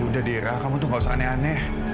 udah dira kamu tuh gak usah aneh aneh